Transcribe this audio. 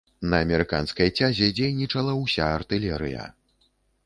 На амерыканскай цязе дзейнічала ўся артылерыя.